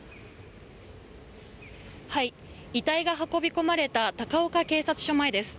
遺体が運び込まれた高岡警察署前です。